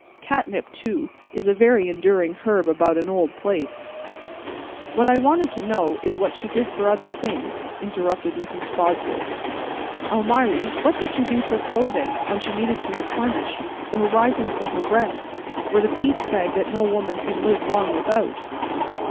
Catnip, too, is a very endurin' herb about an old place." "But what I want to know is what she did for other things," interrupted Mrs. Fosdick. "Almiry, what did she do for clothin' when she needed to replenish, or risin' for her bread, or the piece bag that no woman can live long without?"